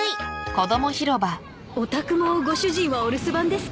お宅もご主人はお留守番ですか？